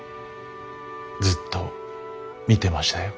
ずっと見てましたよ。